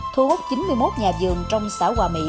thu hút chín mươi một nhà vườn trong xã hòa mỹ